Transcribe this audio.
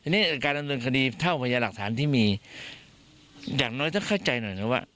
นี่การดำเนินคดีเท่าพยาหลักฐานที่มีอย่างน้อยต้องเข้าใจหน่อยนะว่า